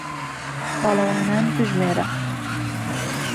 پاڵهوانان بژمێره